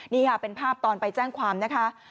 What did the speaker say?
นี่ค่ะเป็นภาพตอนไปแจ้งความนะคะ